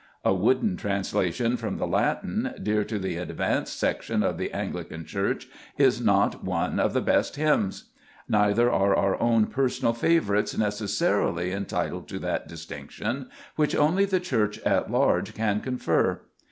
A wooden translation from the Latin, dear to the advanced section of the Anglican flntro&uctforu Church, is not one of the best hymns. Neither are our own personal favorites necessarily en titled to that distinction, which only the Church at large can confer.